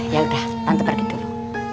ya udah bantu pergi dulu